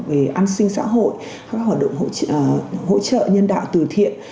về an sinh xã hội các hoạt động hỗ trợ nhân đạo từ thiện